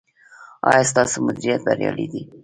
ایا ستاسو مدیریت بریالی دی؟